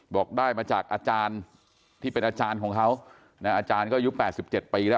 บอกได้มาจากอาจารย์ที่เป็นอาจารย์ของเขานะอาจารย์ก็อายุ๘๗ปีแล้ว